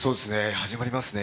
始まりますね。